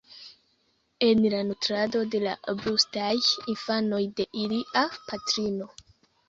en la nutrado de la brustaj infanoj de ilia patrino.